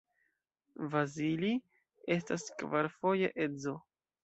Vasilij estis kvarfoje edzo.